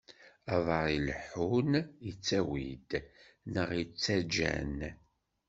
Aḍaṛ ileḥḥun ittawi-d, neɣ ittaǧǧa-n.